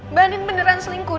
mbak andin beneran selingkuh